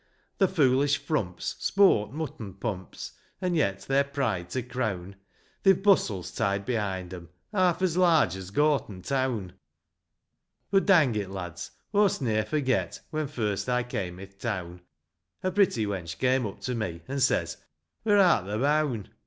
The foolish frumps sport mutton pumps, And yet, their pride to crown, They've bustles tied behind 'em Half as large as Gorton town. But dang it, lads ! aw'st ne'er forget, When first I came i' th' town, A pretty wench came up to me, And says, " Where art thou boun' ?